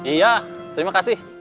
iya terima kasih